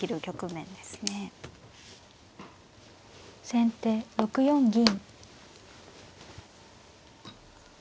先手６四銀。